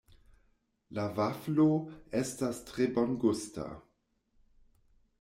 La vaflo estas tre bongusta.